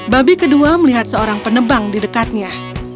babi kedua melihat seorang penebang di dekatnya